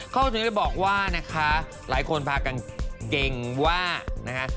เขาถึงไปบอกว่านะคะหลายคนพากันเก่งว่านะคะ